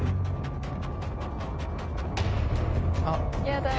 あっ！